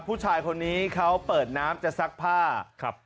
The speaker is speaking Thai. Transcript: ผู้ชายคนนี้เขาเปิดน้ำจะซักผ้าครับ